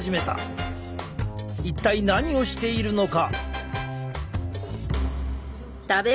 一体何をしているのか！？